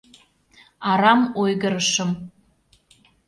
Арам ойгырышым.